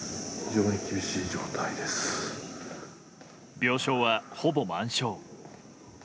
病床はほぼ満床。